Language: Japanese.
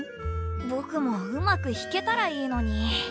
ぼくもうまく弾けたらいいのに。